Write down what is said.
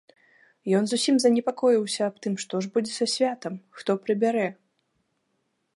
Ён зусім занепакоіўся аб тым, што ж будзе са святам, хто прыбярэ?